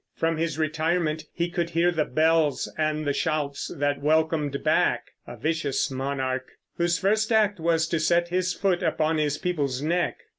From his retirement he could hear the bells and the shouts that welcomed back a vicious monarch, whose first act was to set his foot upon his people's neck.